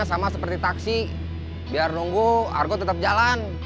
hanya sama seperti taksi biar nunggu argo tetep jalan